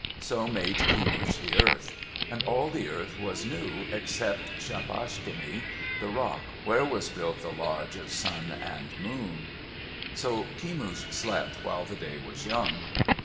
So made Kemush the earth. And all the earth was new except Shapashkeni, the rock, where was built the lodge of Sun and Moon. 25 MYTHS AND LEGENDS So Kemush slept while the day was young.